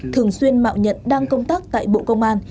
thường xuyên mạo nhận đang công tác tại bộ công an